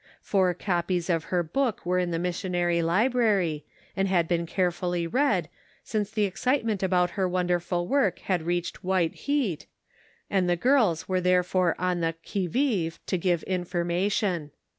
Four copies of her book were in the Missionary Library, and had been carefully read, since the excitement about her wonderful work had reached white wheat, and the girls were therefore on the qui vive to give information.